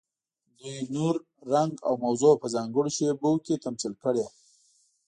دوی نور، رنګ او موضوع په ځانګړو شیبو کې تمثیل کړي.